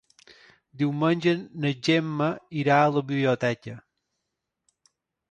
Diumenge na Gemma irà a la biblioteca.